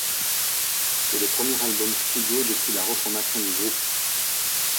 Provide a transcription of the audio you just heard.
C'est le premier album studio depuis la reformation du groupe.